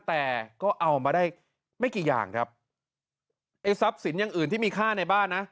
แต่ก็เอามาได้ไม่กี่อย่างครับไอ้ทรัพย์สินอย่างอื่นที่มีค่าในบ้านนะ